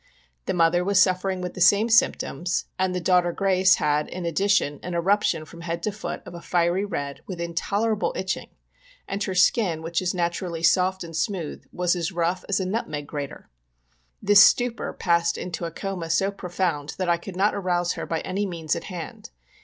The mother was suffering with the same symptoms, and the daughter Grace had, in addition, an eruption from head to foot, of a fiery red, with intolerable itching, and her skin, which is naturally soft and smooth, was as rough as a nut meg grater. This stupor passed into a coma so profound that I could not arouse her by any means at hand.